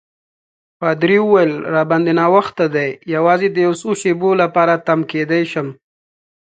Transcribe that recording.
پادري وویل: راباندي ناوخته دی، یوازې د یو څو شېبو لپاره تم کېدای شم.